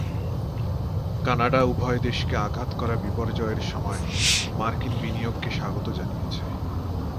Canada উভয় দেশকে আঘাত করা "বিপর্যয়" এর সময় মার্কিন বিনিয়োগকে স্বাগত জানিয়েছে।